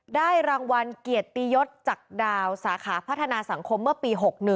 ได้รางวัลเกียรติยศจากดาวสาขาพัฒนาสังคมเมื่อปี๖๑